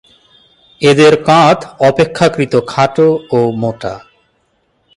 এদের কাঁধ অপেক্ষাকৃত খাটো ও মোটা।